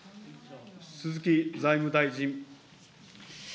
鈴木財務大臣。